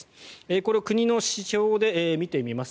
これを国の指標で見てみます。